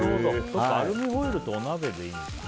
アルミホイルとお鍋でいいのか。